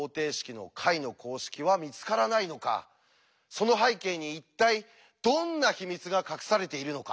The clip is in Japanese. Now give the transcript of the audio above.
その背景に一体どんな秘密が隠されているのか？